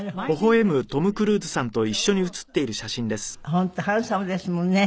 本当ハンサムですもんね。